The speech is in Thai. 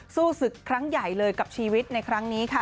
สู้ศึกครั้งใหญ่เลยกับชีวิตในครั้งนี้ค่ะ